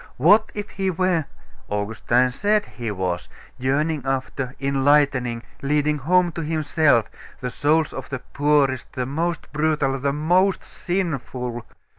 What if He were Augustine said He was yearning after, enlightening, leading home to Himself, the souls of the poorest, the most brutal, the most sinful?